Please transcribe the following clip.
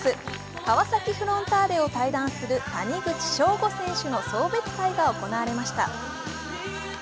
川崎フロンターレを対談する谷口彰悟選手の送別会が行われました。